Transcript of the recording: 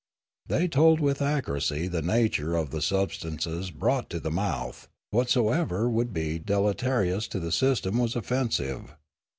They told with accuracy the nature of the substances brought to the mouth; whatsoever would be deleterious to the system was offensive.